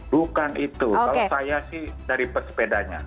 bukan itu kalau saya sih dari pesepedanya